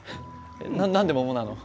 な何で桃なの？